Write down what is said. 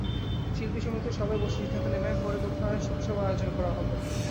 শিল্পী সমিতির সবাই বসে সিদ্ধান্ত নেবেন পরে কোথায় শোকসভা আয়োজন করা হবে।